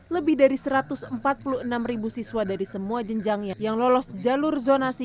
lebih dari satu ratus empat puluh enam ribu siswa dari semua jenjang yang lolos jalur zonasi